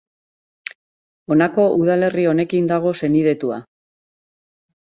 Honako udalerri honekin dago senidetua.